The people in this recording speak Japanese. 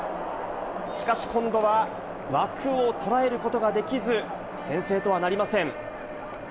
しかし、今度は枠を捉えることができず、先制とはなりません。